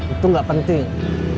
itu gak penting